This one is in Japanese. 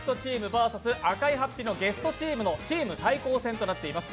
ＶＳ赤い法被のゲストチームのチーム対抗戦となっています。